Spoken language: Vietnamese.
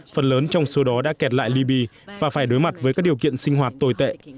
phần lớn trong số đó đã kẹt lại libya và phải đối mặt với các điều kiện sinh hoạt tồi tệ